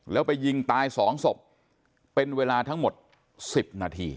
แล้วไปยิงตาย๒ศพเป็นเวลาทั้งหมด๑๐นาที